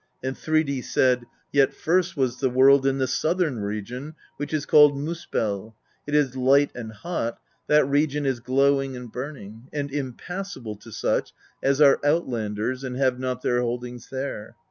And Thridi said: "Yet first was the world in the southern region, which was named Miispell; it is light and hot; that region is glowing and burning, and impassable to such as are outlanders and have not their holdings there.